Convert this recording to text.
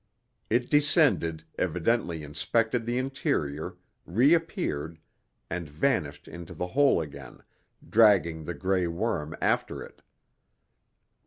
It descended, evidently inspected the interior, reappeared, and vanished into the hole again, dragging the gray worm after it.